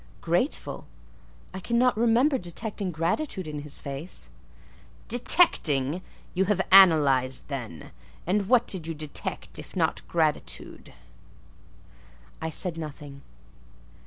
"Grateful! I cannot remember detecting gratitude in his face." "Detecting! You have analysed, then. And what did you detect, if not gratitude?" I said nothing.